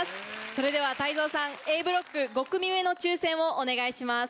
それでは泰造さんＡブロック５組目の抽選をお願いします。